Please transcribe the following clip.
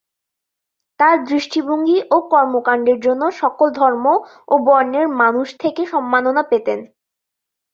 তার দৃষ্টিভঙ্গি ও কর্মকান্ডের জন্য সকল ধর্ম ও বর্ণের মানুষ থেকে সম্মাননা পেতেন।